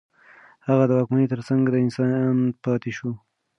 هغه د واکمنۍ ترڅنګ د انسان پاتې شو.